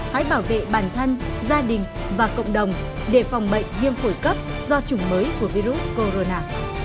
hãy bảo vệ bản thân gia đình và cộng đồng để phòng bệnh viêm phổi cấp do chủng mới của virus corona